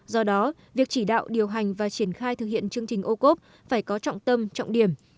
do đó việc chỉ đạo điều hành và triển khai thực hiện chương trình ô cốp phải có trọng tâm trọng điểm